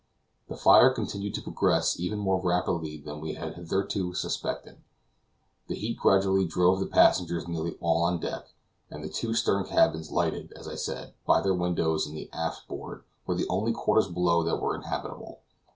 The fire continued to progress even more rapidly than we had hitherto suspected. The heat gradually drove the passengers nearly all on deck, and the two stern cabins, lighted, as I said, by their windows in the aft board were the only quarters below that were inhabitable.